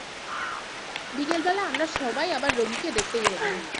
বিকেলবেলা আমরা সবাই আবার রোগীকে দেখতে গেলাম।